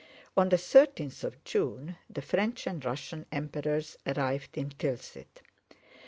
On the thirteenth of June the French and Russian Emperors arrived in Tilsit.